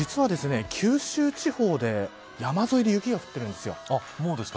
九州地方で山沿いで雪が降っているんです。